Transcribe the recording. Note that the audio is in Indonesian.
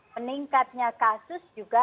meningkatnya kasus juga